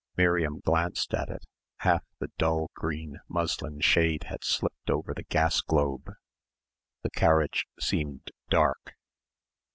Miriam glanced at it half the dull green muslin shade had slipped over the gas globe. The carriage seemed dark.